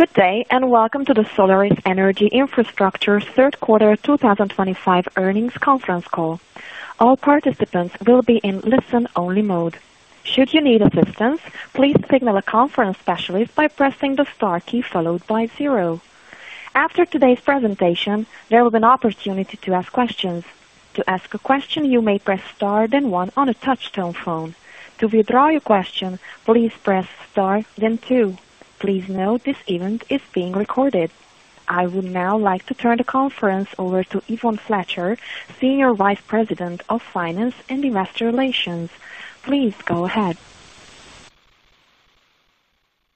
Good day and welcome to the Solaris Energy Infrastructure Third Quarter 2025 Earnings Conference Call. All participants will be in listen-only mode. Should you need assistance, please signal a conference specialist by pressing the star key followed by zero. After today's presentation, there will be an opportunity to ask questions. To ask a question, you may press star then one on a touch-tone phone. To withdraw your question, please press star then two. Please note this event is being recorded. I would now like to turn the conference over to Yvonne Fletcher, Senior Vice President of Finance and Investor Relations. Please go ahead.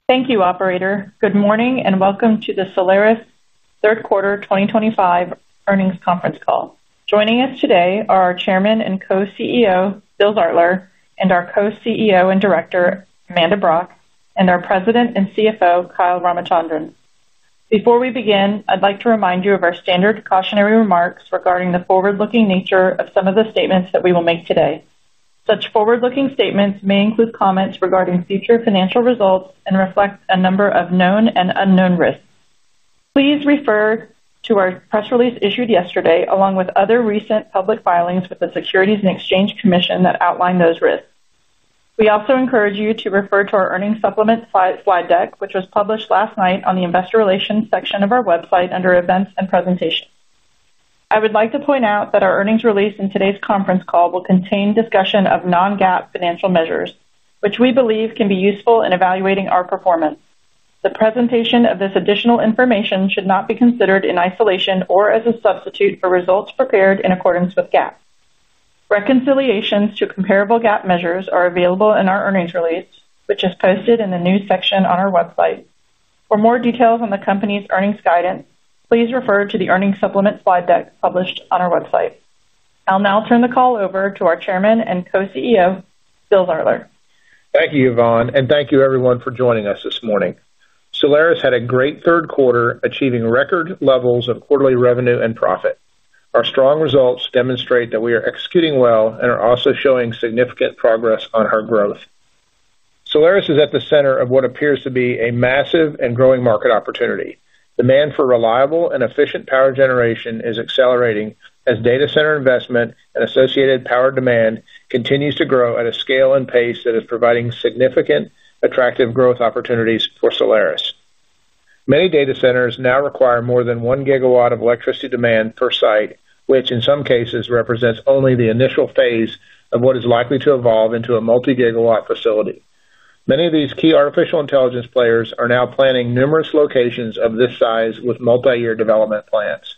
Thank you, Operator. Good morning and welcome to the Solaris Third Quarter 2025 Earnings Conference Call. Joining us today are our Chairman and Co-CEO, Bill Zartler, and our Co-CEO and Director, Amanda Brock, and our President and CFO, Kyle Ramachandran. Before we begin, I'd like to remind you of our standard cautionary remarks regarding the forward-looking nature of some of the statements that we will make today. Such forward-looking statements may include comments regarding future financial results and reflect a number of known and unknown risks. Please refer to our press release issued yesterday along with other recent public filings with the Securities and Exchange Commission that outline those risks. We also encourage you to refer to our earnings supplement slide deck, which was published last night on the Investor Relations section of our website under Events and Presentations. I would like to point out that our earnings release in today's conference call will contain discussion of non-GAAP financial measures, which we believe can be useful in evaluating our performance. The presentation of this additional information should not be considered in isolation or as a substitute for results prepared in accordance with GAAP. Reconciliations to comparable GAAP measures are available in our earnings release, which is posted in the news section on our website. For more details on the company's earnings guidance, please refer to the earnings supplement slide deck published on our website. I'll now turn the call over to our Chairman and Co-CEO, Bill Zartler. Thank you, Yvonne, and thank you everyone for joining us this morning. Solaris had a great third quarter, achieving record levels of quarterly revenue and profit. Our strong results demonstrate that we are executing well and are also showing significant progress on our growth. Solaris is at the center of what appears to be a massive and growing market opportunity. Demand for reliable and efficient power generation is accelerating as data center investment and associated power demand continues to grow at a scale and pace that is providing significant, attractive growth opportunities for Solaris. Many data centers now require more than 1 GW of electricity demand per site, which in some cases represents only the initial phase of what is likely to evolve into a multi-gigawatt facility. Many of these key artificial intelligence players are now planning numerous locations of this size with multi-year development plans.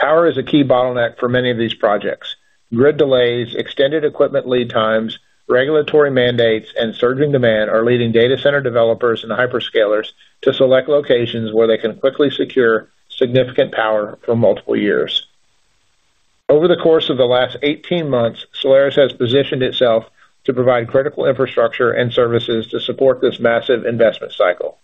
Power is a key bottleneck for many of these projects. Grid delays, extended equipment lead times, regulatory mandates, and surging demand are leading data center developers and hyper-scalers to select locations where they can quickly secure significant power for multiple years. Over the course of the last 18 months, Solaris has positioned itself to provide critical infrastructure and services to support this massive investment cycle.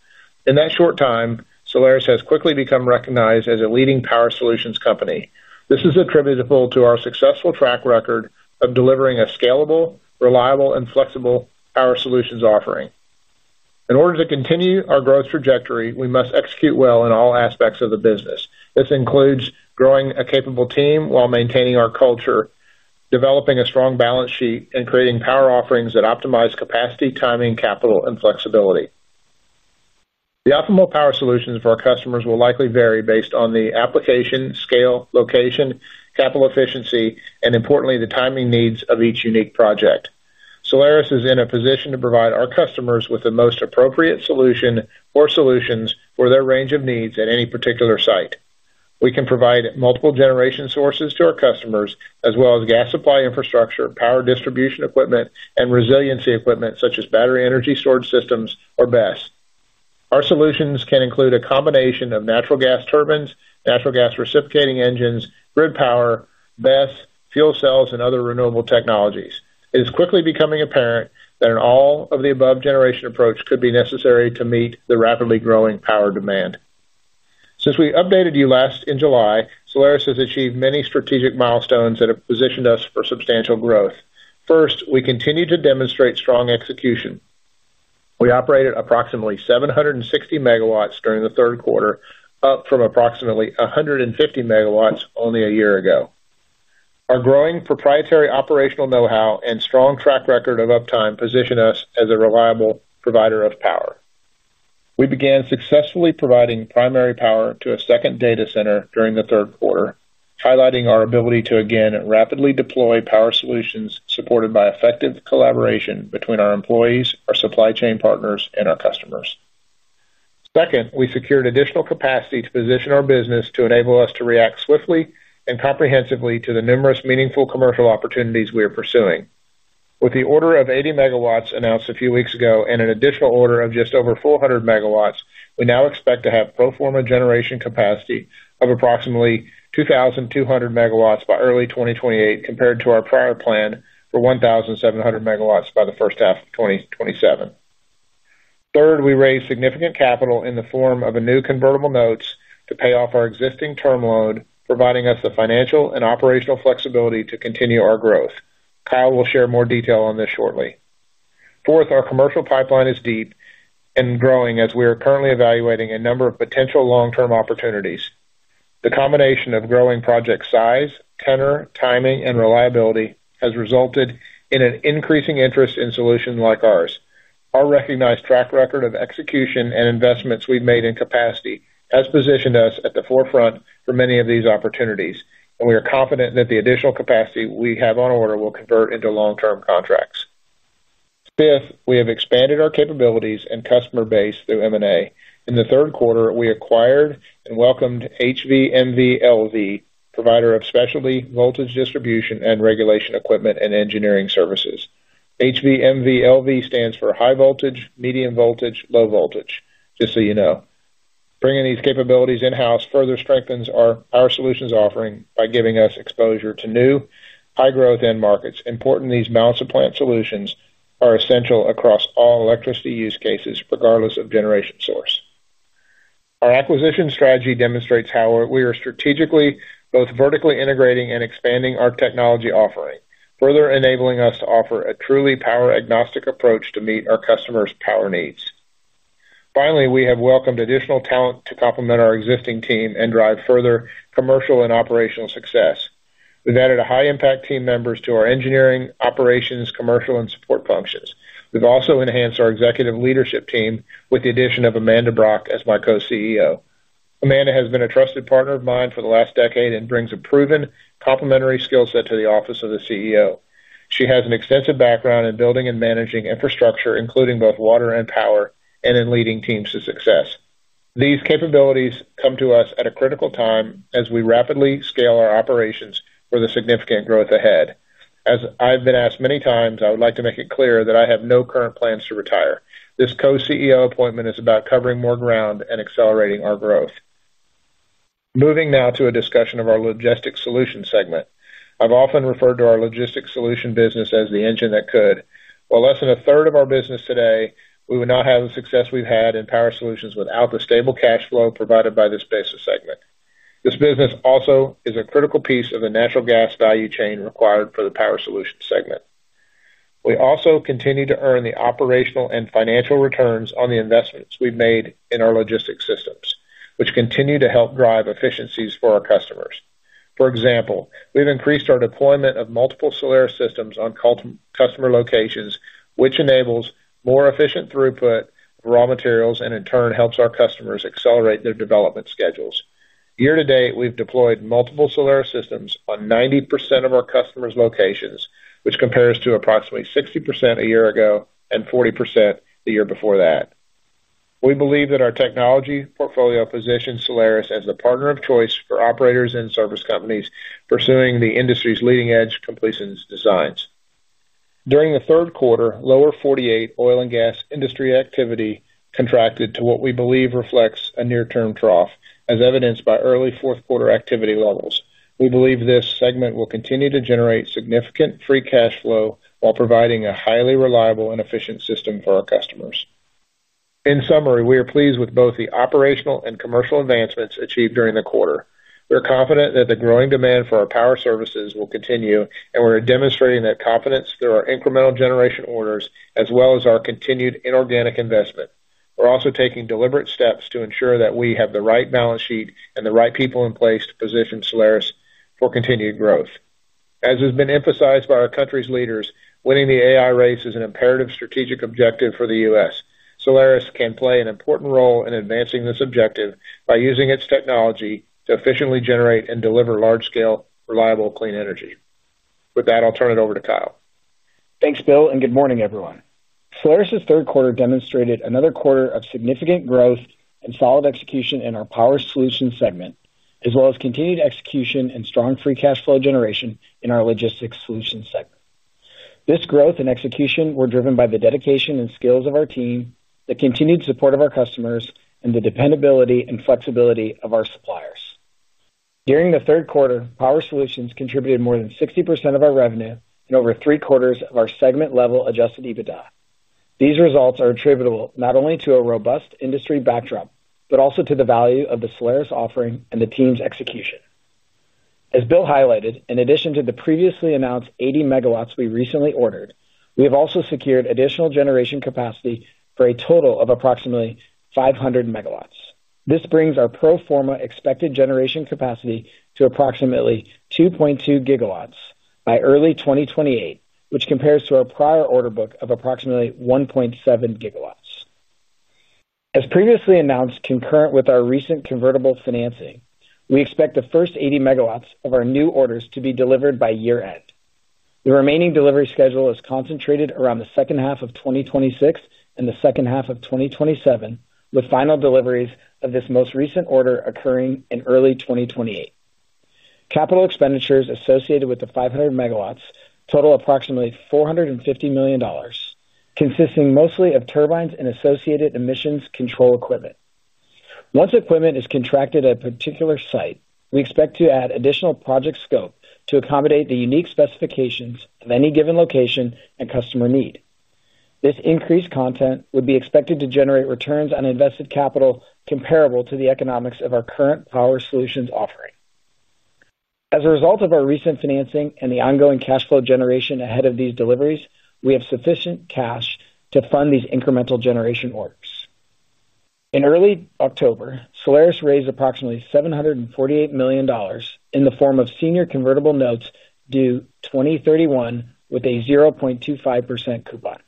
In that short time, Solaris has quickly become recognized as a leading power solutions company. This is attributable to our successful track record of delivering a scalable, reliable, and flexible power solutions offering. In order to continue our growth trajectory, we must execute well in all aspects of the business. This includes growing a capable team while maintaining our culture, developing a strong balance sheet, and creating power offerings that optimize capacity, timing, capital, and flexibility. The optimal power solutions for our customers will likely vary based on the application, scale, location, capital efficiency, and importantly, the timing needs of each unique project. Solaris is in a position to provide our customers with the most appropriate solution or solutions for their range of needs at any particular site. We can provide multiple generation sources to our customers, as well as gas supply infrastructure, power distribution equipment, and resiliency equipment such as battery energy storage systems, or BES. Our solutions can include a combination of natural gas turbines, natural gas reciprocating engines, grid power, BES, fuel cells, and other renewable technologies. It is quickly becoming apparent that an all-of-the-above generation approach could be necessary to meet the rapidly growing power demand. Since we updated you last in July, Solaris has achieved many strategic milestones that have positioned us for substantial growth. First, we continue to demonstrate strong execution. We operated approximately 760 MW during the third quarter, up from approximately 150 MW only a year ago. Our growing proprietary operational know-how and strong track record of uptime position us as a reliable provider of power. We began successfully providing primary power to a second data center during the third quarter, highlighting our ability to again rapidly deploy power solutions supported by effective collaboration between our employees, our supply chain partners, and our customers. Second, we secured additional capacity to position our business to enable us to react swiftly and comprehensively to the numerous meaningful commercial opportunities we are pursuing. With the order of 80 MW announced a few weeks ago and an additional order of just over 400 MW, we now expect to have pro forma generation capacity of approximately 2,200 MW by early 2028, compared to our prior plan for 1,700 MW by the first half of 2027. Third, we raised significant capital in the form of a new convertible notes to pay off our existing term loan, providing us the financial and operational flexibility to continue our growth. Kyle will share more detail on this shortly. Fourth, our commercial pipeline is deep and growing as we are currently evaluating a number of potential long-term opportunities. The combination of growing project size, tenor, timing, and reliability has resulted in an increasing interest in solutions like ours. Our recognized track record of execution and investments we've made in capacity has positioned us at the forefront for many of these opportunities, and we are confident that the additional capacity we have on order will convert into long-term contracts. Fifth, we have expanded our capabilities and customer base through M&A. In the third quarter, we acquired and welcomed HVMVLV, a provider of specialty voltage distribution and regulation equipment and engineering services. HVMVLV stands for high voltage, medium voltage, low voltage, just so you know. Bringing these capabilities in-house further strengthens our power solutions offering by giving us exposure to new, high-growth end markets. Importantly, these mount-to-plant solutions are essential across all electricity use cases, regardless of generation source. Our acquisition strategy demonstrates how we are strategically both vertically integrating and expanding our technology offering, further enabling us to offer a truly power-agnostic approach to meet our customers' power needs. Finally, we have welcomed additional talent to complement our existing team and drive further commercial and operational success. We've added high-impact team members to our engineering, operations, commercial, and support functions. We've also enhanced our executive leadership team with the addition of Amanda Brock as my Co-CEO. Amanda has been a trusted partner of mine for the last decade and brings a proven complementary skill set to the office of the CEO. She has an extensive background in building and managing infrastructure, including both water and power, and in leading teams to success. These capabilities come to us at a critical time as we rapidly scale our operations for the significant growth ahead. As I've been asked many times, I would like to make it clear that I have no current plans to retire. This Co-CEO appointment is about covering more ground and accelerating our growth. Moving now to a discussion of our logistics solution segment. I've often referred to our logistics solution business as the engine that could. While less than a third of our business today, we would not have the success we've had in power solutions without the stable cash flow provided by this business segment. This business also is a critical piece of the natural gas value chain required for the power solution segment. We also continue to earn the operational and financial returns on the investments we've made in our logistics systems, which continue to help drive efficiencies for our customers. For example, we've increased our deployment of multiple Solaris systems on customer locations, which enables more efficient throughput of raw materials and, in turn, helps our customers accelerate their development schedules. Year-to-date, we've deployed multiple Solaris systems on 90% of our customers' locations, which compares to approximately 60% a year ago and 40% the year before that. We believe that our technology portfolio positions Solaris as the partner of choice for operators and service companies pursuing the industry's leading-edge completions designs. During the third quarter, lower 48 oil and gas industry activity contracted to what we believe reflects a near-term trough, as evidenced by early fourth quarter activity levels. We believe this segment will continue to generate significant free cash flow while providing a highly reliable and efficient system for our customers. In summary, we are pleased with both the operational and commercial advancements achieved during the quarter. We're confident that the growing demand for our power services will continue, and we're demonstrating that confidence through our incremental generation orders as well as our continued inorganic investment. We're also taking deliberate steps to ensure that we have the right balance sheet and the right people in place to position Solaris for continued growth. As has been emphasized by our country's leaders, winning the AI race is an imperative strategic objective for the U.S. Solaris can play an important role in advancing this objective by using its technology to efficiently generate and deliver large-scale, reliable, clean energy. With that, I'll turn it over to Kyle. Thanks, Bill, and good morning, everyone. Solaris' third quarter demonstrated another quarter of significant growth and solid execution in our power solutions segment, as well as continued execution and strong free cash flow generation in our logistics solutions segment. This growth and execution were driven by the dedication and skills of our team, the continued support of our customers, and the dependability and flexibility of our suppliers. During the third quarter, power solutions contributed more than 60% of our revenue and over three quarters of our segment-level adjusted EBITDA. These results are attributable not only to a robust industry backdrop but also to the value of the Solaris offering and the team's execution. As Bill highlighted, in addition to the previously announced 80 MW we recently ordered, we have also secured additional generation capacity for a total of approximately 500 MW. This brings our pro forma expected generation capacity to approximately 2.2 GW by early 2028, which compares to our prior order book of approximately 1.7 GW. As previously announced, concurrent with our recent convertible financing, we expect the first 80 MW of our new orders to be delivered by year-end. The remaining delivery schedule is concentrated around the second half of 2026 and the second half of 2027, with final deliveries of this most recent order occurring in early 2028. Capital expenditures associated with the 500 MW total approximately $450 million, consisting mostly of turbines and associated emissions control equipment. Once equipment is contracted at a particular site, we expect to add additional project scope to accommodate the unique specifications of any given location and customer need. This increased content would be expected to generate returns on invested capital comparable to the economics of our current power solutions offering. As a result of our recent financing and the ongoing cash flow generation ahead of these deliveries, we have sufficient cash to fund these incremental generation orders. In early October, Solaris raised approximately $748 million in the form of senior convertible notes due 2031, with a 0.25% coupon.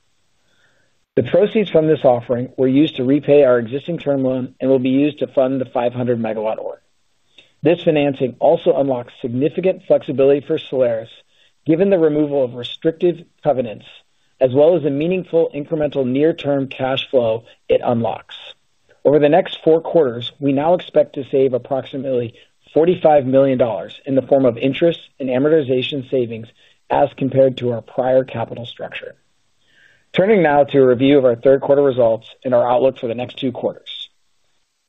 The proceeds from this offering were used to repay our existing term loan and will be used to fund the 500 MW order. This financing also unlocks significant flexibility for Solaris, given the removal of restrictive covenants, as well as the meaningful incremental near-term cash flow it unlocks. Over the next four quarters, we now expect to save approximately $45 million in the form of interest and amortization savings as compared to our prior capital structure. Turning now to a review of our third quarter results and our outlook for the next two quarters.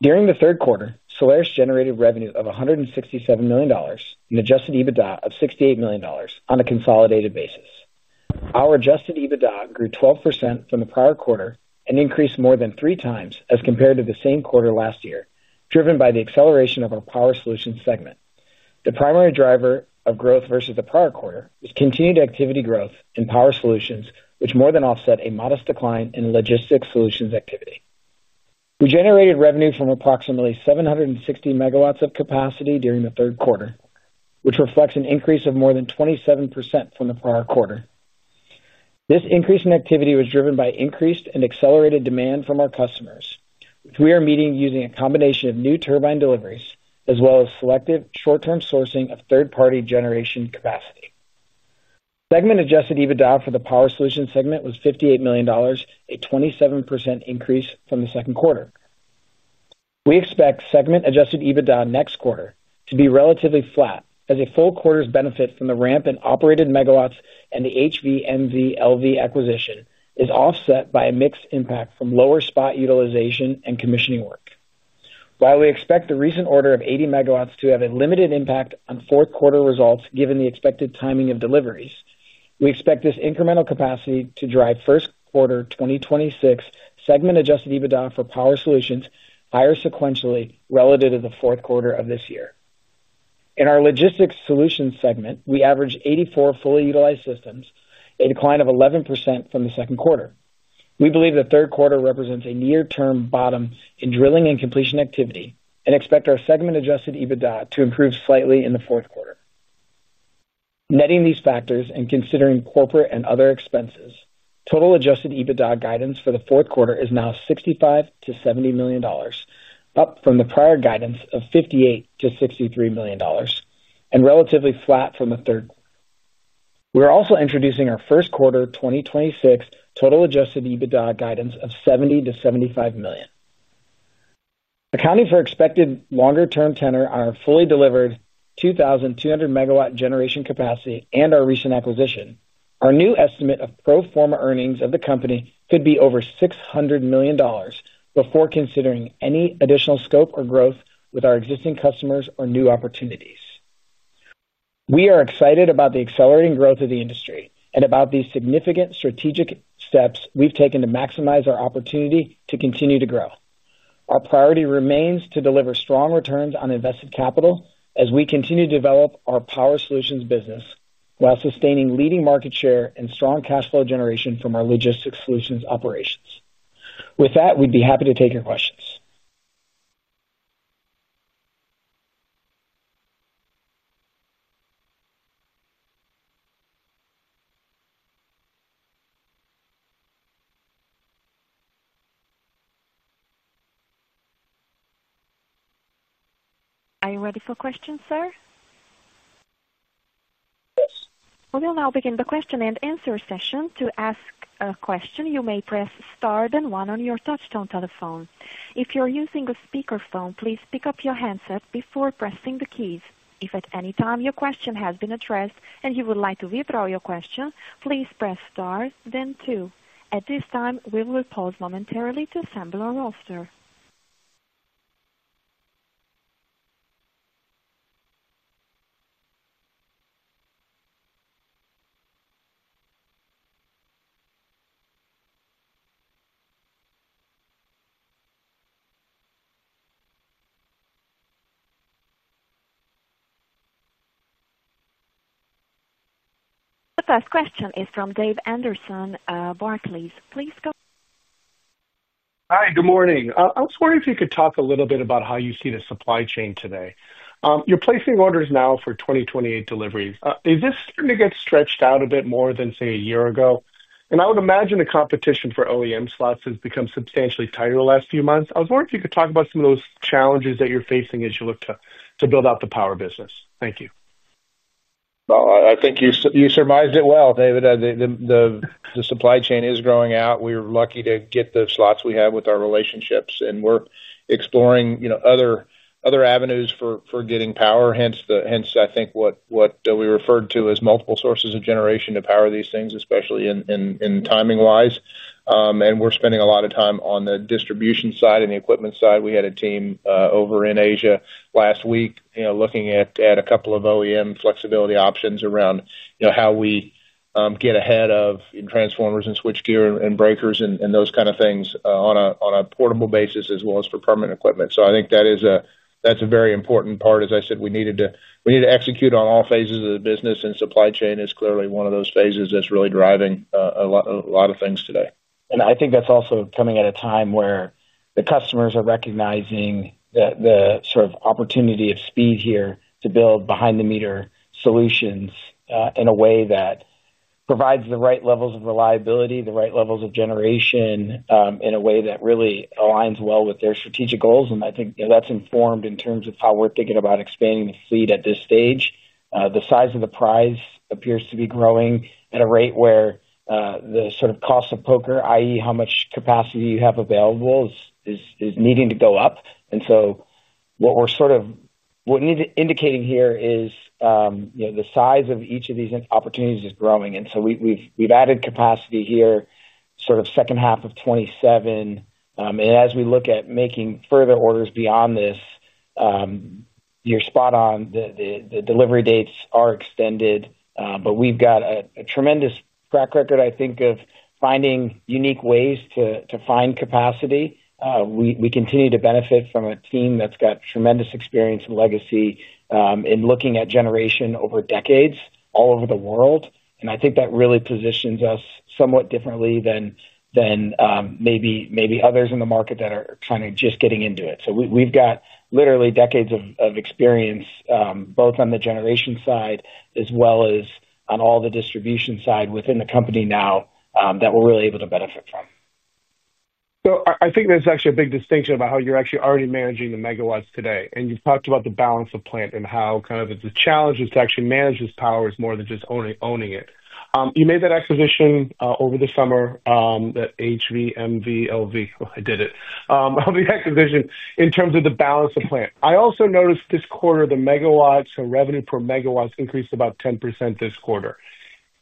During the third quarter, Solaris generated revenue of $167 million and adjusted EBITDA of $68 million on a consolidated basis. Our adjusted EBITDA grew 12% from the prior quarter and increased more than three times as compared to the same quarter last year, driven by the acceleration of our power solutions segment. The primary driver of growth versus the prior quarter is continued activity growth in power solutions, which more than offset a modest decline in logistics solutions activity. We generated revenue from approximately 760 MW of capacity during the third quarter, which reflects an increase of more than 27% from the prior quarter. This increase in activity was driven by increased and accelerated demand from our customers, which we are meeting using a combination of new turbine deliveries as well as selective short-term sourcing of third-party generation capacity. Segment-adjusted EBITDA for the power solutions segment was $58 million, a 27% increase from the second quarter. We expect segment-adjusted EBITDA next quarter to be relatively flat, as a full quarter's benefit from the ramp in operated megawatts and the HVMVLV acquisition is offset by a mixed impact from lower spot utilization and commissioning work. While we expect the recent order of 80 MW to have a limited impact on fourth quarter results given the expected timing of deliveries, we expect this incremental capacity to drive first quarter 2026 segment-adjusted EBITDA for power solutions higher sequentially relative to the fourth quarter of this year. In our logistics solutions segment, we averaged 84 fully utilized systems, a decline of 11% from the second quarter. We believe the third quarter represents a near-term bottom in drilling and completion activity and expect our segment-adjusted EBITDA to improve slightly in the fourth quarter. Netting these factors and considering corporate and other expenses, total adjusted EBITDA guidance for the fourth quarter is now $65 million-$70 million, up from the prior guidance of $58 million-$63 million, and relatively flat from the third quarter. We're also introducing our first quarter 2026 total adjusted EBITDA guidance of $70 million-$75 million. Accounting for expected longer-term tenor on our fully delivered 2,200 MW generation capacity and our recent acquisition, our new estimate of pro forma earnings of the company could be over $600 million before considering any additional scope or growth with our existing customers or new opportunities. We are excited about the accelerating growth of the industry and about these significant strategic steps we've taken to maximize our opportunity to continue to grow. Our priority remains to deliver strong returns on invested capital as we continue to develop our power solutions business while sustaining leading market share and strong cash flow generation from our logistics solutions operations. With that, we'd be happy to take your questions. Are you ready for questions, sir? We'll now begin the question-and-answer session. To ask a question, you may press star then one on your touch-tone telephone. If you're using a speakerphone, please pick up your handset before pressing the keys. If at any time your question has been addressed and you would like to withdraw your question, please press star then two. At this time, we will pause momentarily to assemble our roster. The first question is from Dave Anderson, Barclays. Please go ahead. Hi, good morning. I was wondering if you could talk a little bit about how you see the supply chain today. You're placing orders now for 2028 deliveries. Is this starting to get stretched out a bit more than, say, a year ago? And I would imagine the competition for OEM slots has become substantially tighter the last few months. I was wondering if you could talk about some of those challenges that you're facing as you look to build out the power business. Thank you. I think you surmised it well, David. The supply chain is growing out. We're lucky to get the slots we have with our relationships, and we're exploring other avenues for getting power. Hence, I think what we referred to as multiple sources of generation to power these things, especially timing-wise. We're spending a lot of time on the distribution side and the equipment side. We had a team over in Asia last week looking at a couple of OEM flexibility options around how we get ahead of transformers and switchgear and breakers and those kinds of things on a portable basis as well as for permanent equipment. I think that's a very important part. As I said, we need to execute on all phases of the business, and supply chain is clearly one of those phases that's really driving a lot of things today. And I think that's also coming at a time where the customers are recognizing the sort of opportunity of speed here to build behind-the-meter solutions in a way that provides the right levels of reliability, the right levels of generation in a way that really aligns well with their strategic goals. And I think that's informed in terms of how we're thinking about expanding the fleet at this stage. The size of the prize appears to be growing at a rate where the sort of cost of poker, i.e., how much capacity you have available, is needing to go up. And so what we're sort of indicating here is the size of each of these opportunities is growing. And so we've added capacity here sort of second half of 2027. And as we look at making further orders beyond this, you're spot on. The delivery dates are extended, but we've got a tremendous track record, I think, of finding unique ways to find capacity. We continue to benefit from a team that's got tremendous experience and legacy in looking at generation over decades all over the world. And I think that really positions us somewhat differently than maybe others in the market that are kind of just getting into it. So we've got literally decades of experience both on the generation side as well as on all the distribution side within the company now that we're really able to benefit from. So I think there's actually a big distinction about how you're actually already managing the megawatts today. And you've talked about the balance of plant and how kind of the challenge is to actually manage this power is more than just owning it. You made that acquisition over the summer. That HVMVLV impact of the acquisition in terms of the balance of plant. I also noticed this quarter, the revenue per megawatt increased about 10% this quarter.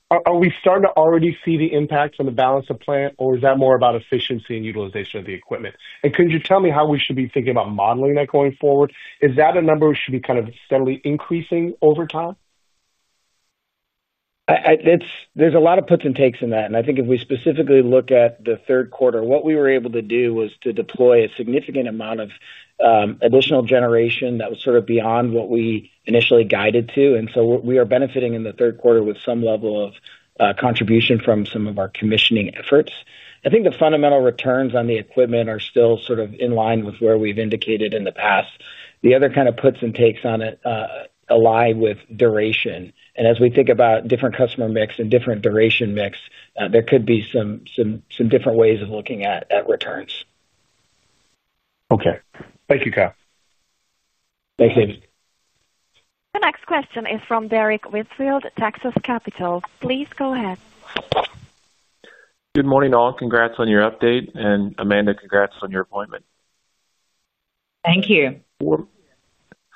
Are we starting to already see the impact on the balance of plant, or is that more about efficiency and utilization of the equipment? And could you tell me how we should be thinking about modeling that going forward? Is that a number we should be kind of steadily increasing over time? There's a lot of puts and takes in that. And I think if we specifically look at the third quarter, what we were able to do was to deploy a significant amount of additional generation that was sort of beyond what we initially guided to. And so we are benefiting in the third quarter with some level of contribution from some of our commissioning efforts. I think the fundamental returns on the equipment are still sort of in line with where we've indicated in the past. The other kind of puts and takes on it align with duration. And as we think about different customer mix and different duration mix, there could be some different ways of looking at returns. Okay. Thank you, Kyle. Thanks, David. The next question is from Derrick Whitfield, Texas Capital. Please go ahead. Good morning all. Congrats on your update. And Amanda, congrats on your appointment. Thank you.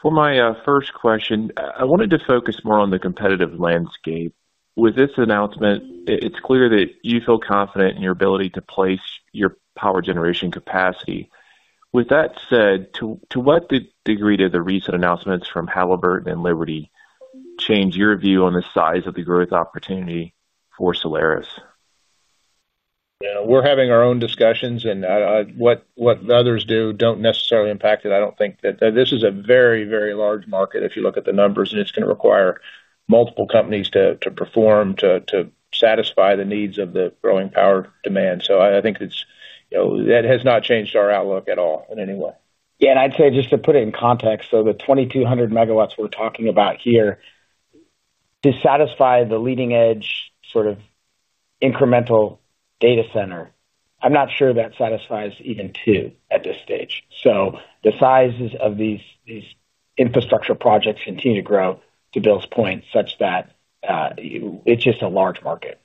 For my first question, I wanted to focus more on the competitive landscape. With this announcement, it's clear that you feel confident in your ability to place your power generation capacity. With that said, to what degree did the recent announcements from Halliburton and Liberty change your view on the size of the growth opportunity for Solaris? Yeah, we're having our own discussions, and what others do don't necessarily impact it. I don't think that this is a very, very large market if you look at the numbers, and it's going to require multiple companies to perform to satisfy the needs of the growing power demand. So I think that has not changed our outlook at all in any way. Yeah, and I'd say just to put it in context, so the 2,200 MW we're talking about here. To satisfy the leading-edge sort of incremental data center, I'm not sure that satisfies even two at this stage. So the sizes of these infrastructure projects continue to grow to Bill's point, such that. It's just a large market.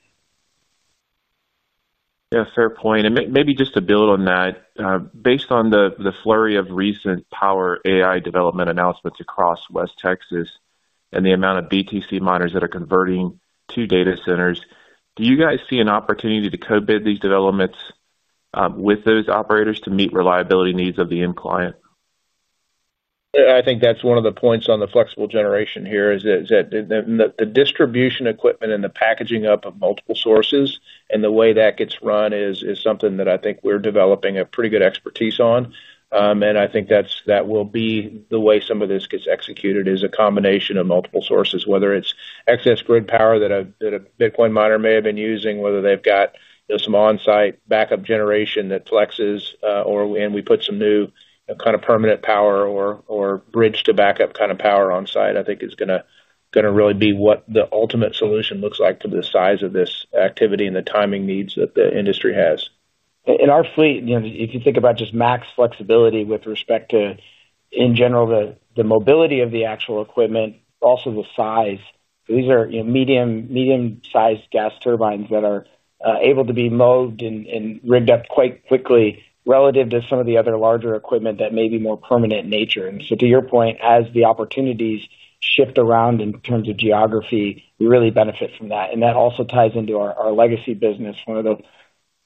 Yeah, fair point. And maybe just to build on that, based on the flurry of recent power AI development announcements across West Texas and the amount of BTC miners that are converting to data centers, do you guys see an opportunity to co-bid these developments with those operators to meet reliability needs of the end client? I think that's one of the points on the flexible generation here is that the distribution equipment and the packaging up of multiple sources and the way that gets run is something that I think we're developing a pretty good expertise on. And I think that will be the way some of this gets executed is a combination of multiple sources, whether it's excess grid power that a Bitcoin miner may have been using, whether they've got some on-site backup generation that flexes, and we put some new kind of permanent power or bridge-to-backup kind of power on-site. I think it's going to really be what the ultimate solution looks like to the size of this activity and the timing needs that the industry has. In our fleet, if you think about just max flexibility with respect to, in general, the mobility of the actual equipment, also the size. These are medium-sized gas turbines that are able to be moved and rigged up quite quickly relative to some of the other larger equipment that may be more permanent in nature. And so to your point, as the opportunities shift around in terms of geography, we really benefit from that. And that also ties into our legacy business. One of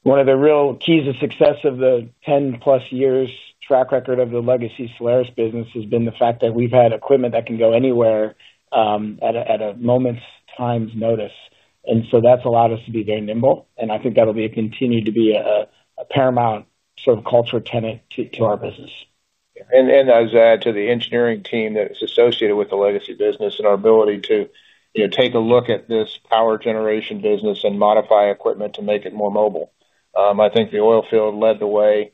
the real keys to success of the 10+ years track record of the legacy Solaris business has been the fact that we've had equipment that can go anywhere. At a moment's notice. And so that's allowed us to be very nimble. And I think that'll continue to be a paramount sort of culture tenet to our business. And as I add to the engineering team that is associated with the legacy business and our ability to take a look at this power generation business and modify equipment to make it more mobile. I think the oil field led the way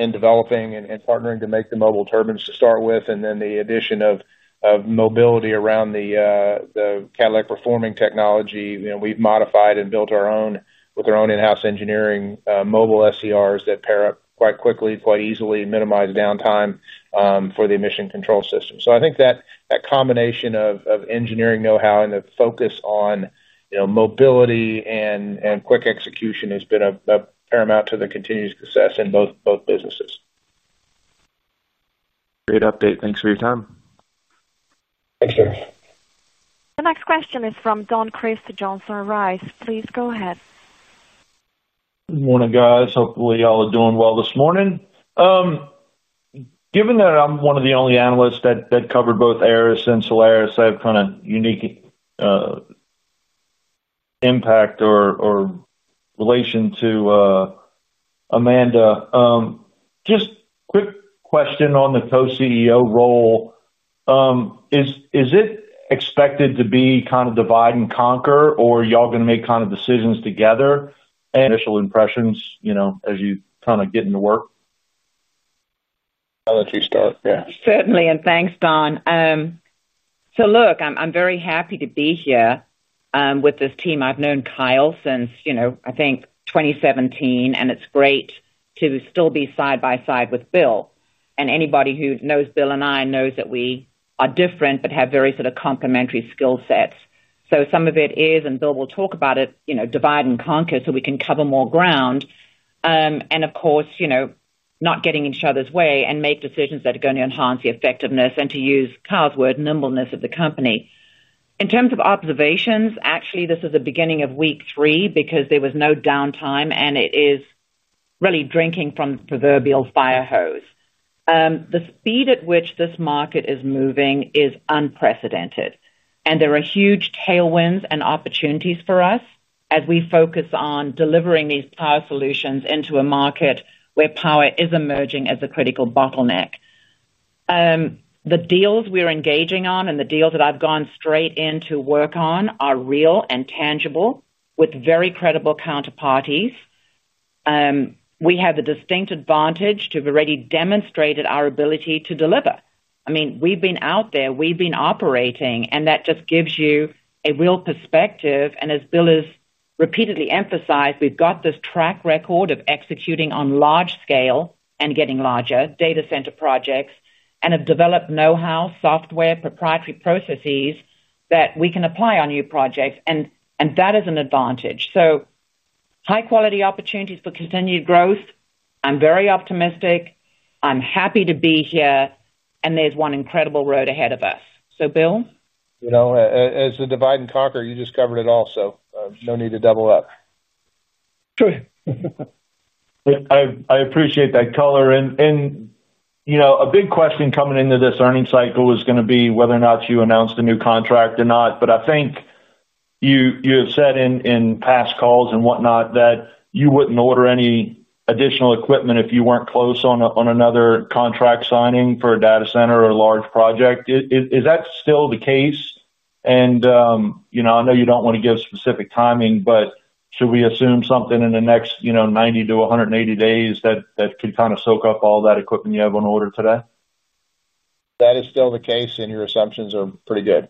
in developing and partnering to make the mobile turbines to start with, and then the addition of mobility around the Cadillac performing technology. We've modified and built our own with our own in-house engineering mobile SERs that pair up quite quickly, quite easily, minimize downtime for the emission control system. So I think that combination of engineering know-how and the focus on mobility and quick execution has been paramount to the continued success in both businesses. Great update. Thanks for your time. Thanks, Derrick. The next question is from Don Crist Johnson Rice. Please go ahead. Good morning, guys. Hopefully, y'all are doing well this morning. Given that I'm one of the only analysts that covered both Aeris and Solaris, I have kind of unique impact or relation to Amanda. Just quick question on the Co-CEO role. Is it expected to be kind of divide and conquer, or are y'all going to make kind of decisions together? Initial impressions as you kind of get into work? Why don't you start there? Certainly, and thanks, Don. So look, I'm very happy to be here with this team. I've known Kyle since, I think, 2017, and it's great to still be side by side with Bill. And anybody who knows Bill and I knows that we are different but have very sort of complementary skill sets. So some of it is, and Bill will talk about it, divide and conquer so we can cover more ground. And of course not getting each other's way and make decisions that are going to enhance the effectiveness and to use Kyle's word, nimbleness of the company. In terms of observations, actually, this is the beginning of week three because there was no downtime, and it is really drinking from the proverbial fire hose. The speed at which this market is moving is unprecedented. And there are huge tailwinds and opportunities for us as we focus on delivering these power solutions into a market where power is emerging as a critical bottleneck. The deals we're engaging on and the deals that I've gone straight in to work on are real and tangible with very credible counterparties. We have the distinct advantage to have already demonstrated our ability to deliver. I mean, we've been out there. We've been operating, and that just gives you a real perspective. And as Bill has repeatedly emphasized, we've got this track record of executing on large scale and getting larger data center projects and have developed know-how, software, proprietary processes that we can apply on new projects. And that is an advantage. So high-quality opportunities for continued growth. I'm very optimistic. I'm happy to be here. And there's one incredible road ahead of us. So, Bill? As we divide and conquer, you just covered it all, so no need to double up. True. I appreciate that color. A big question coming into this earnings cycle is going to be whether or not you announced a new contract or not. But I think you have said in past calls and whatnot that you wouldn't order any additional equipment if you weren't close on another contract signing for a data center or a large project. Is that still the case? I know you don't want to give specific timing, but should we assume something in the next 90 to 180 days that could kind of soak up all that equipment you have on order today? That is still the case, and your assumptions are pretty good.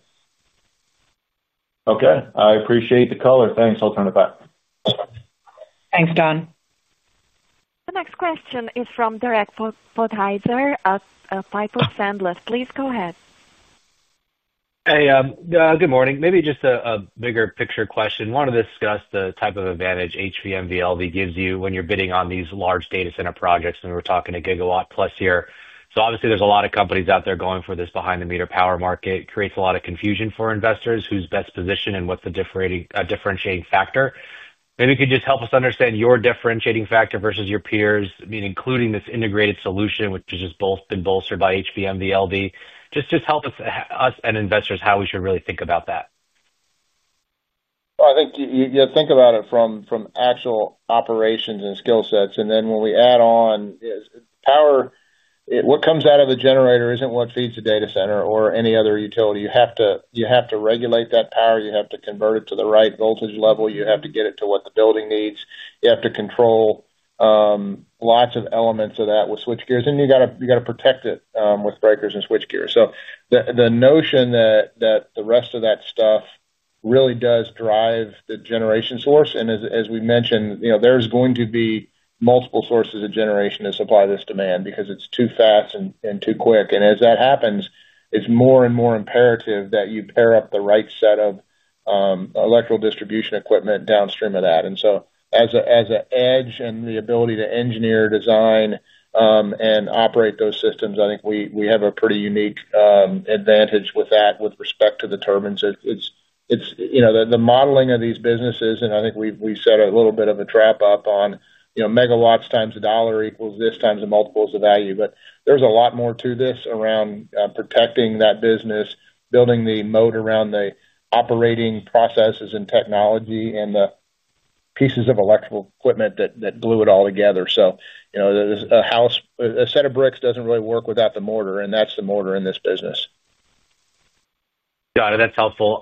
Okay. I appreciate the color. Thanks. I'll turn it back. Thanks, Don. The next question is from Derek Podhaizer, Piper Sandler. Please go ahead. Hey, good morning. Maybe just a bigger picture question. I wanted to discuss the type of advantage HVMVLV gives you when you're bidding on these large data center projects, and we're talking a gigawatt-plus here. So obviously, there's a lot of companies out there going for this behind-the-meter power market. It creates a lot of confusion for investors. Who's best positioned and what's the differentiating factor? Maybe you could just help us understand your differentiating factor versus your peers, including this integrated solution, which has just been bolstered by HVMVLV. Just help us and investors how we should really think about that. Well, I think you think about it from actual operations and skill sets. And then when we add on power, what comes out of the generator isn't what feeds the data center or any other utility. You have to regulate that power. You have to convert it to the right voltage level. You have to get it to what the building needs. You have to control lots of elements of that with switchgear. And you got to protect it with breakers and switchgear. So the notion that the rest of that stuff really does drive the generation source. And as we mentioned, there's going to be multiple sources of generation to supply this demand because it's too fast and too quick. And as that happens, it's more and more imperative that you pair up the right set of electrical distribution equipment downstream of that. And so as an edge and the ability to engineer, design and operate those systems, I think we have a pretty unique advantage with that with respect to the turbines. The modeling of these businesses, and I think we set a little bit of a trap up on megawatts times a dollar equals this times a multiple of the value. But there's a lot more to this around protecting that business, building the moat around the operating processes and technology and the pieces of electrical equipment that glue it all together. So a set of bricks doesn't really work without the mortar. And that's the mortar in this business. Got it. That's helpful.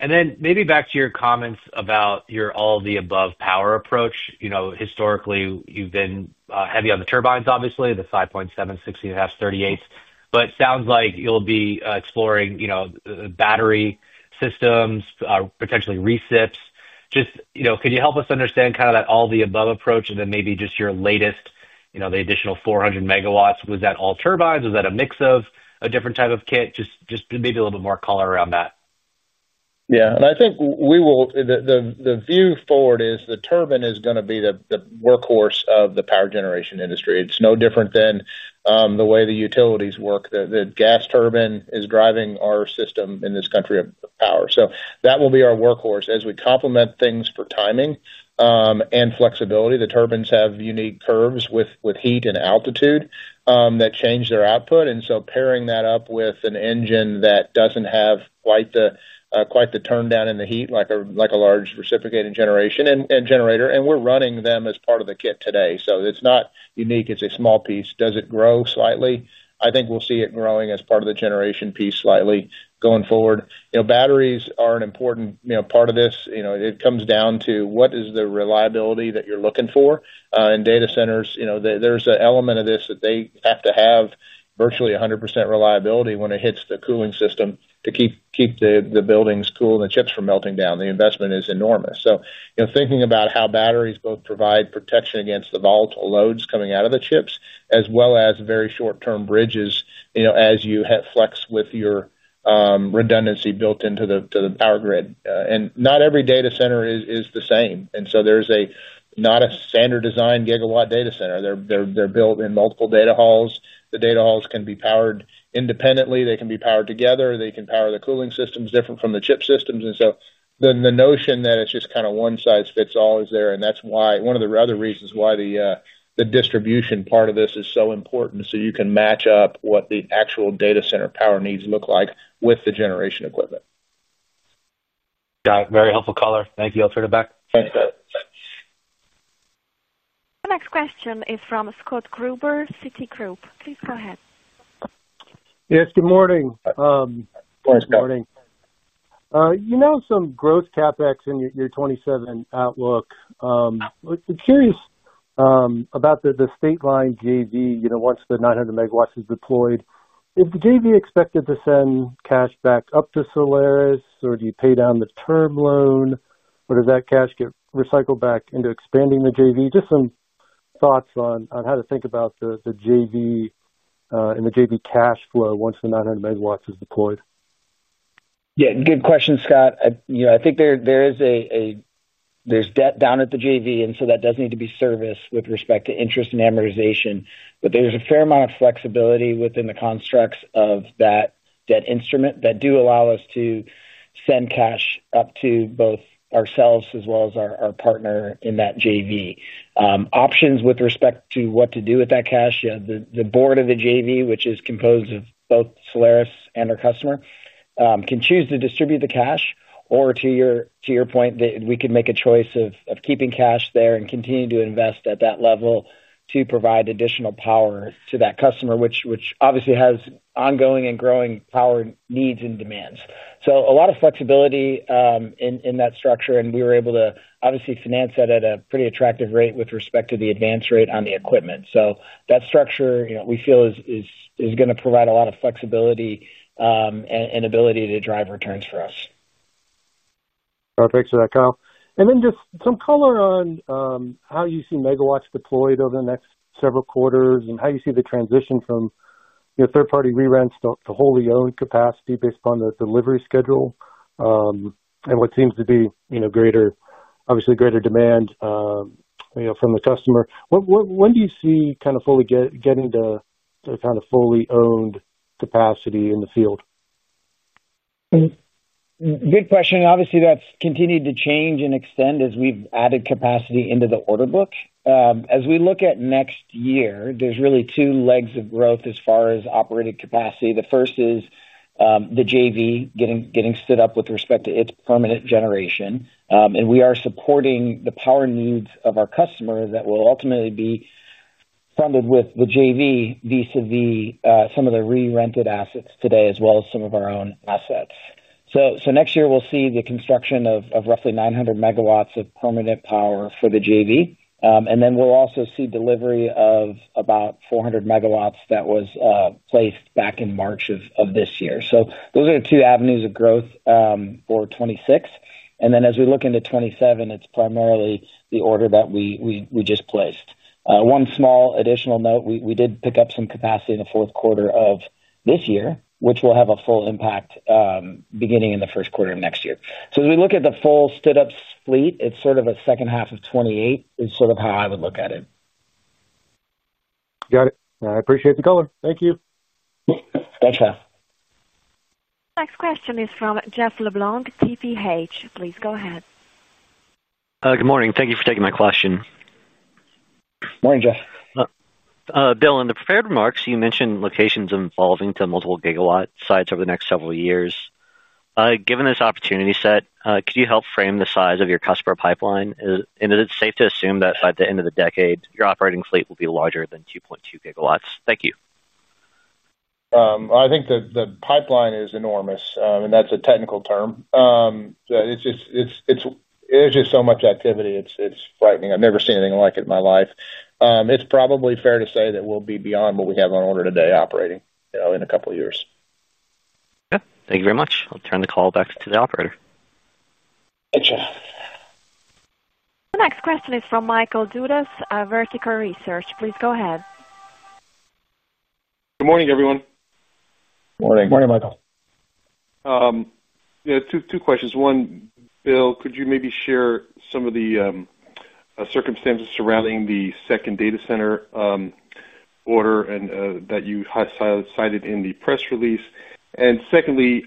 And then maybe back to your comments about all-of-the-above power approach. Historically, you've been heavy on the turbines, obviously, the 5.7, 16.5, 38. But it sounds like you'll be exploring battery systems, potentially recipes. Just could you help us understand kind of that all-of-the-above approach and then maybe just your latest, the additional 400 MW? Was that all turbines? Was that a mix of a different type of kit? Just maybe a little bit more color around that. Yeah. And I think the view forward is the turbine is going to be the workhorse of the power generation industry. It's no different than the way the utilities work. The gas turbine is driving our system in this country of power. So that will be our workhorse as we complement things for timing and flexibility. The turbines have unique curves with heat and altitude that change their output. And so pairing that up with an engine that doesn't have quite the turndown in the heat like a large reciprocating generator, and we're running them as part of the kit today. So it's not unique. It's a small piece. Does it grow slightly? I think we'll see it growing as part of the generation piece slightly going forward. Batteries are an important part of this. It comes down to what is the reliability that you're looking for. In data centers, there's an element of this that they have to have virtually 100% reliability when it hits the cooling system to keep the buildings cool and the chips from melting down. The investment is enormous. So thinking about how batteries both provide protection against the volatile loads coming out of the chips as well as very short-term bridges as you flex with your redundancy built into the power grid, and not every data center is the same, and so there's not a standard design gigawatt data center. They're built in multiple data halls. The data halls can be powered independently. They can be powered together. They can power the cooling systems different from the chip systems, and so the notion that it's just kind of one size fits all is there, and that's one of the other reasons why the distribution part of this is so important so you can match up what the actual data center power needs look like with the generation equipment. Got it. Very helpful color. Thank you. I'll turn it back. Thanks, Derek. The next question is from Scott Gruber, Citigroup. Please go ahead. Yes, good morning. Morning, Scott. Morning. You know, some growth CapEx in your 2027 outlook. Curious about the State Line JV, once the 900 MW is deployed, is the JV expected to send cash back up to Solaris, or do you pay down the term loan, or does that cash get recycled back into expanding the JV? Just some thoughts on how to think about the JV and the JV cash flow once the 900 MW is deployed. Yeah. Good question, Scott. I think there is a debt down at the JV, and so that does need to be serviced with respect to interest and amortization. But there's a fair amount of flexibility within the constructs of that debt instrument that do allow us to send cash up to both ourselves as well as our partner in that JV. Options with respect to what to do with that cash, the board of the JV, which is composed of both Solaris and our customer, can choose to distribute the cash, or to your point, we can make a choice of keeping cash there and continue to invest at that level to provide additional power to that customer, which obviously has ongoing and growing power needs and demands. So a lot of flexibility in that structure. And we were able to obviously finance that at a pretty attractive rate with respect to the advance rate on the equipment. So that structure, we feel, is going to provide a lot of flexibility and ability to drive returns for us. Perfect. So that counts. Then just some color on how you see megawatts deployed over the next several quarters and how you see the transition from third-party rentals to wholly owned capacity based upon the delivery schedule and what seems to be obviously greater demand from the customer. When do you see kind of fully getting to kind of fully owned capacity in the field? Good question. Obviously, that's continued to change and extend as we've added capacity into the order book. As we look at next year, there's really two legs of growth as far as operating capacity. The first is the JV getting stood up with respect to its permanent generation. And we are supporting the power needs of our customers that will ultimately be funded with the JV vis-à-vis some of the re-rented assets today as well as some of our own assets. So next year, we'll see the construction of roughly 900 MW of permanent power for the JV. And then we'll also see delivery of about 400 MW that was placed back in March of this year. So those are the two avenues of growth for 2026. And then as we look into 2027, it's primarily the order that we just placed. One small additional note, we did pick up some capacity in the fourth quarter of this year, which will have a full impact beginning in the first quarter of next year. So as we look at the full stood-up fleet, it's sort of a second half of 2028 is sort of how I would look at it. Got it. I appreciate the color. Thank you. Thanks, Scott. Next question is from Jeff LeBlanc, TPH. Please go ahead. Good morning. Thank you for taking my question. Morning, Jeff. Bill, in the prepared remarks, you mentioned locations evolving to multiple gigawatt sites over the next several years. Given this opportunity set, could you help frame the size of your customer pipeline? And is it safe to assume that by the end of the decade, your operating fleet will be larger than 2.2 GW? Thank you. I think the pipeline is enormous, and that's a technical term. There's just so much activity. It's frightening. I've never seen anything like it in my life. It's probably fair to say that we'll be beyond what we have on order today operating in a couple of years. Okay. Thank you very much. I'll turn the call back to the operator. Thanks, Jeff. The next question is from Michael Dudas, Vertical Research. Please go ahead. Good morning, everyone. Morning. Morning, Michael. Yeah, two questions. One, Bill, could you maybe share some of the circumstances surrounding the second data center order that you cited in the press release? And secondly,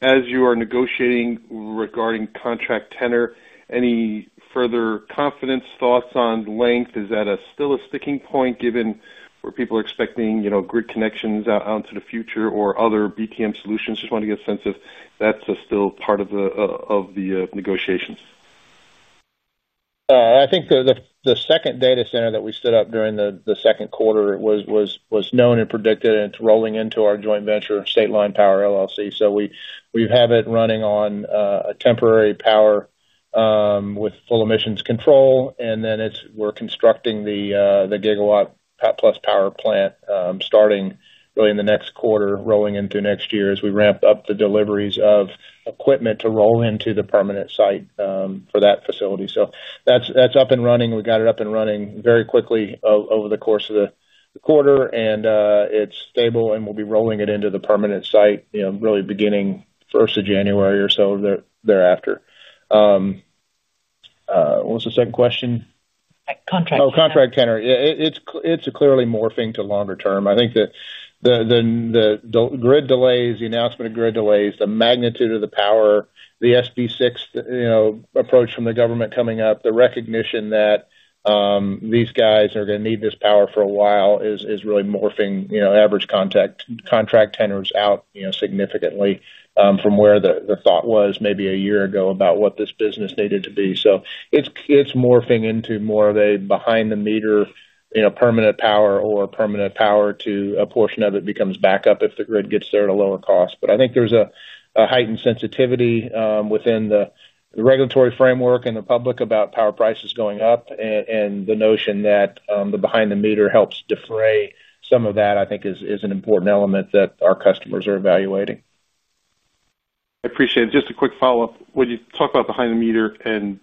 as you are negotiating regarding contract tenor, any further confidence, thoughts on length? Is that still a sticking point given where people are expecting grid connections out into the future or other BTM solutions? Just want to get a sense if that's still part of the negotiations. I think the second data center that we stood up during the second quarter was known and predicted, and it's rolling into our joint venture, State Line Power LLC, so we have it running on a temporary power with full emissions control, and then we're constructing the gigawatt-plus power plant starting early in the next quarter, rolling into next year as we ramp up the deliveries of equipment to roll into the permanent site for that facility, so that's up and running. We got it up and running very quickly over the course of the quarter, and it's stable, and we'll be rolling it into the permanent site really beginning 1st of January or so thereafter. What was the second question? Contract. Oh, contract tenor. It's clearly morphing to longer term. I think that the grid delays, the announcement of grid delays, the magnitude of the power, the SB6 approach from the government coming up, the recognition that these guys are going to need this power for a while is really morphing average contract tenors out significantly from where the thought was maybe a year ago about what this business needed to be, so it's morphing into more of a behind-the-meter permanent power or permanent power to a portion of it becomes backup if the grid gets there at a lower cost, but I think there's a heightened sensitivity within the regulatory framework and the public about power prices going up, and the notion that the behind-the-meter helps defray some of that, I think, is an important element that our customers are evaluating. I appreciate it. Just a quick follow-up. When you talk about behind-the-meter and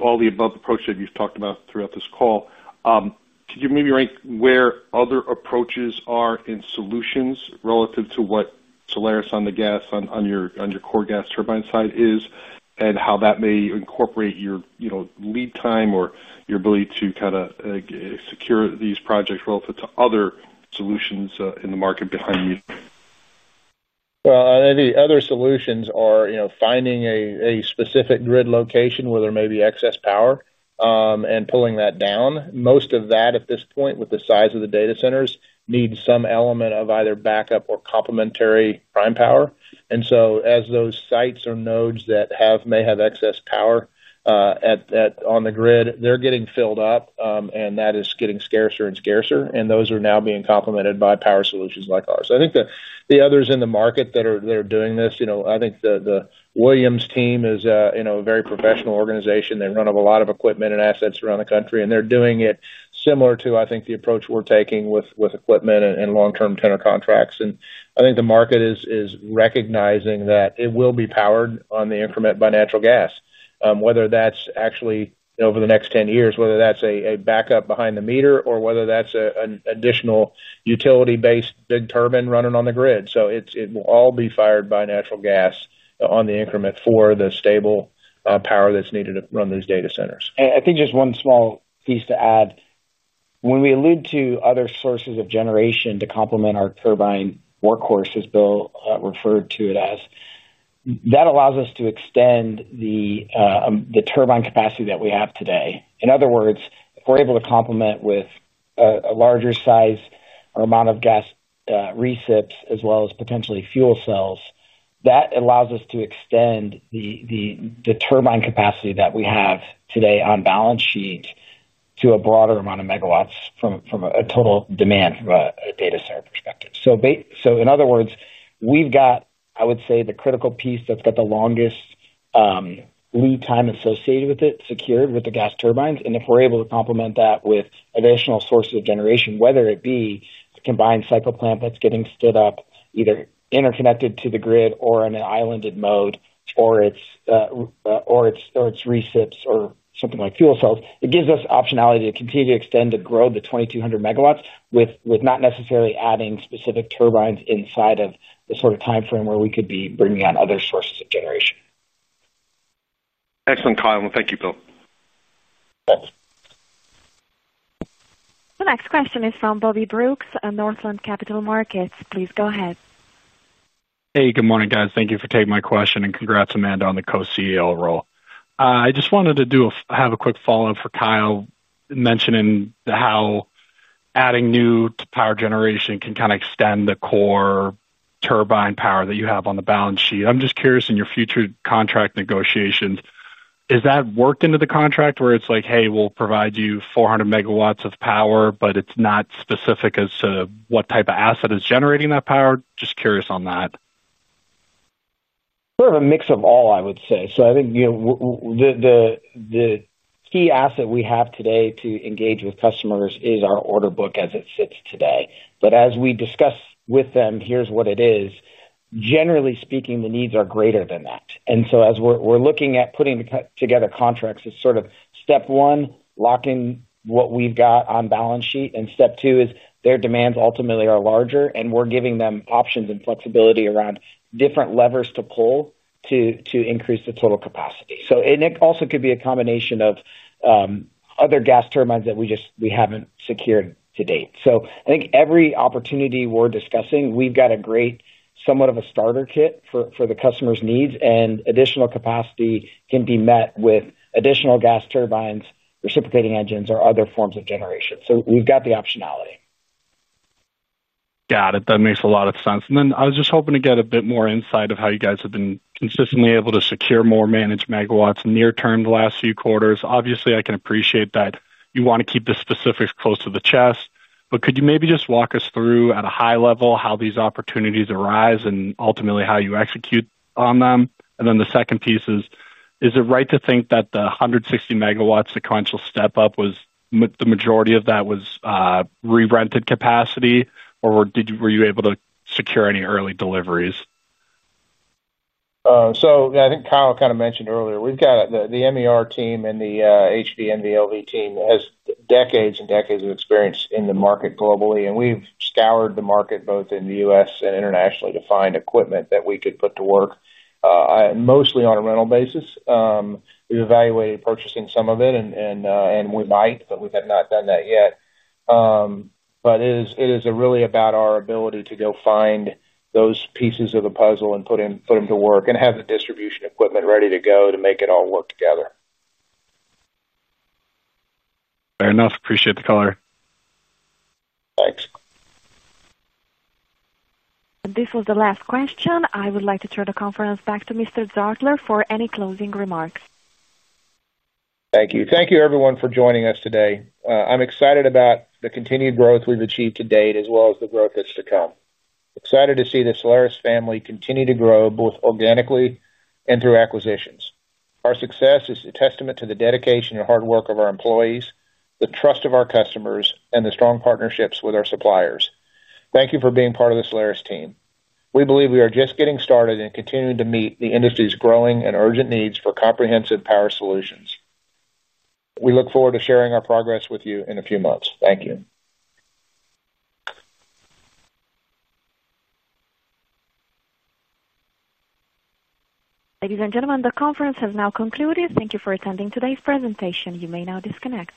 all-the-above approach that you've talked about throughout this call, could you maybe rank where other approaches are in solutions relative to what Solaris on the gas on your core gas turbine side is and how that may incorporate your lead time or your ability to kind of secure these projects relative to other solutions in the market behind-the-meter? Well, the other solutions are finding a specific grid location where there may be excess power and pulling that down. Most of that, at this point, with the size of the data centers, needs some element of either backup or complementary prime power. And so as those sites or nodes that may have excess power on the grid, they're getting filled up, and that is getting scarcer and scarcer. And those are now being complemented by power solutions like ours. I think the others in the market that are doing this, I think the Williams team is a very professional organization. They run a lot of equipment and assets around the country, and they're doing it similar to, I think, the approach we're taking with equipment and long-term tenor contracts. And I think the market is recognizing that it will be powered on the increment by natural gas, whether that's actually over the next 10 years, whether that's a backup behind the meter, or whether that's an additional utility-based big turbine running on the grid. So it will all be fired by natural gas on the increment for the stable power that's needed to run those data centers. I think just one small piece to add. When we allude to other sources of generation to complement our turbine workhorse, as Bill referred to it as, that allows us to extend the turbine capacity that we have today. In other words, if we're able to complement with a larger size or amount of gas reciprocating as well as potentially fuel cells, that allows us to extend the turbine capacity that we have today on balance sheet to a broader amount of megawatts from a total demand from a data center perspective. So in other words, we've got, I would say, the critical piece that's got the longest lead time associated with it secured with the gas turbines. And if we're able to complement that with additional sources of generation, whether it be a combined cycle plant that's getting stood up either interconnected to the grid or in an islanded mode or it's reciprocating or something like fuel cells, it gives us optionality to continue to extend to grow the 2,200 MW with not necessarily adding specific turbines inside of the sort of time frame where we could be bringing on other sources of generation. Excellent, Kyle. Thank you, Bill. The next question is from Bobby Brooks at Northland Capital Markets. Please go ahead. Hey, good morning, guys. Thank you for taking my question and congrats, Amanda, on the Co-CEO role. I just wanted to have a quick follow-up for Kyle mentioning how adding new power generation can kind of extend the core turbine power that you have on the balance sheet. I'm just curious, in your future contract negotiations, is that worked into the contract where it's like, "Hey, we'll provide you 400 MW of power," but it's not specific as to what type of asset is generating that power? Just curious on that. Sort of a mix of all, I would say. So I think the key asset we have today to engage with customers is our order book as it sits today. But as we discuss with them, here's what it is. Generally speaking, the needs are greater than that, and so as we're looking at putting together contracts, it's sort of step one, locking what we've got on balance sheet, and step two is their demands ultimately are larger, and we're giving them options and flexibility around different levers to pull to increase the total capacity, and it also could be a combination of other gas turbines that we haven't secured to date, so I think every opportunity we're discussing, we've got a great somewhat of a starter kit for the customer's needs, and additional capacity can be met with additional gas turbines, reciprocating engines, or other forms of generation, so we've got the optionality. Got it. That makes a lot of sense. And then I was just hoping to get a bit more insight of how you guys have been consistently able to secure more managed megawatts near-term the last few quarters. Obviously, I can appreciate that you want to keep the specifics close to the chest. But could you maybe just walk us through at a high level how these opportunities arise and ultimately how you execute on them? And then the second piece is, is it right to think that the 160 MW sequential step-up was the majority of that was re-rented capacity, or were you able to secure any early deliveries? So I think Kyle kind of mentioned earlier, we've got the MER team and the HV and the LV team has decades and decades of experience in the market globally. And we've scoured the market both in the U.S. and internationally to find equipment that we could put to work. Mostly on a rental basis. We've evaluated purchasing some of it, and we might, but we have not done that yet. But it is really about our ability to go find those pieces of the puzzle and put them to work and have the distribution equipment ready to go to make it all work together. Fair enough. Appreciate the color. Thanks. This was the last question. I would like to turn the conference back to Mr. Zartler for any closing remarks. Thank you. Thank you, everyone, for joining us today. I'm excited about the continued growth we've achieved to date as well as the growth that's to come. Excited to see the Solaris family continue to grow both organically and through acquisitions. Our success is a testament to the dedication and hard work of our employees, the trust of our customers, and the strong partnerships with our suppliers. Thank you for being part of the Solaris team. We believe we are just getting started and continuing to meet the industry's growing and urgent needs for comprehensive power solutions. We look forward to sharing our progress with you in a few months. Thank you. Ladies and gentlemen, the conference has now concluded. Thank you for attending today's presentation. You may now disconnect.